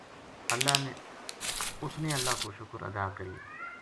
اس نے اللہ کو شکر ادا کریو